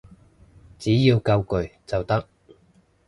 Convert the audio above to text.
只要夠攰就得